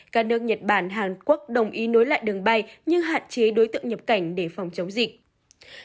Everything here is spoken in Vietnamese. các nước nhật bản hàn quốc đồng ý nối lại đường bay như hạn chế đối tượng nhập cảnh để phòng chống dịch